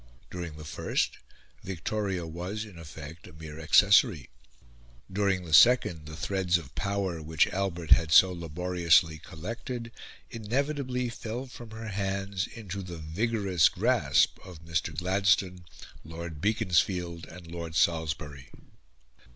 During the first Victoria was in effect a mere accessory; during the second the threads of power, which Albert had so laboriously collected, inevitably fell from her hands into the vigorous grasp of Mr. Gladstone, Lord Beaconsfield, and Lord Salisbury.